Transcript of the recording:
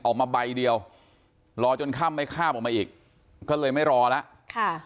ออกมาใบเดียวรอจนค่ำไม่ข้ามออกมาอีกก็เลยไม่รอแล้วค่ะ